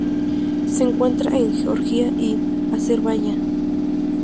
Se encuentra en Georgia y Azerbayán.